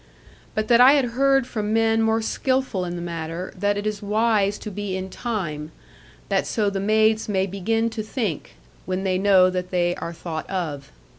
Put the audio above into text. But that I had heard from men more skillful in the matter that it is wise to be in time, that so the maids may begin to think, when they know that they are thought of.